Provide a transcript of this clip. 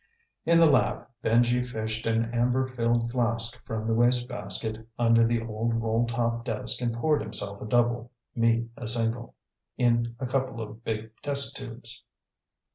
In the lab, Benji fished an amber filled flask from the wastebasket under the old rolltop desk and poured himself a double, me a single, in a couple of big test tubes.